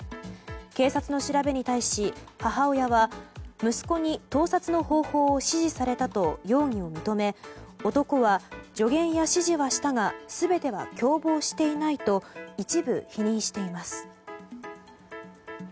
警察の調べに対し母親は息子に盗撮の方法を指示されたと容疑を認め男は助言や指示はしたが全ては共謀していないと一部否認しています。